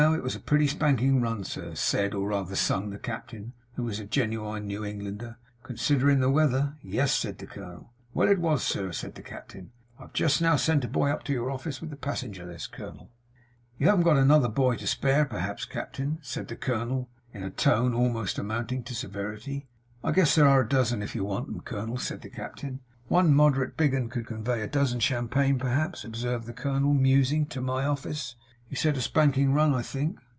It was a pretty spanking run, sir,' said, or rather sung, the captain, who was a genuine New Englander; 'considerin' the weather.' 'Yes?' said the colonel. 'Well! It was, sir,' said the captain. 'I've just now sent a boy up to your office with the passenger list, colonel.' 'You haven't got another boy to spare, p'raps, cap'en?' said the colonel, in a tone almost amounting to severity. 'I guess there air a dozen if you want 'em, colonel,' said the captain. 'One moderate big 'un could convey a dozen champagne, perhaps,' observed the colonel, musing, 'to my office. You said a spanking run, I think?